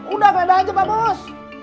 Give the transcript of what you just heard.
udah geledah aja pak bos